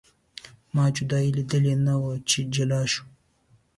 ما جدایي لیدلې نه وه چې جلا شو.